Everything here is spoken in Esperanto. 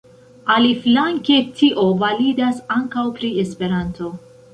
Aliflanke, tio validas ankaŭ pri Esperanto.